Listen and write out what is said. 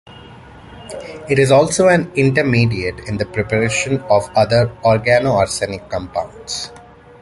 It is also an intermediate in the preparation of other organoarsenic compounds.